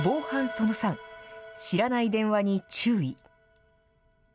その３、知らない電話に注意。